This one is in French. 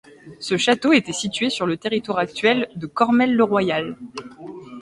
Ce château était situé sur le territoire actuel de Cormelles-le-Royal.